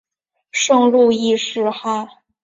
圣路易士哈！